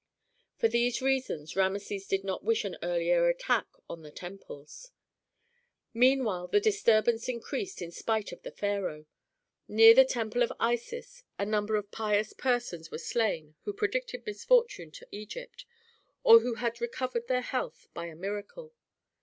For these reasons Rameses did not wish an earlier attack on the temples. Meanwhile the disturbance increased in spite of the pharaoh. Near the temple of Isis a number of pious persons were slain who predicted misfortune to Egypt, or who had recovered their health by a miracle.